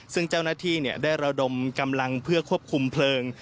ซึ่งเจ้าหน้าที่ได้ระดมกำลังเพื่อควบคุมเพลิง